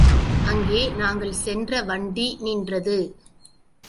அங்கே நாங்கள் சென்ற வண்டி நின்றது.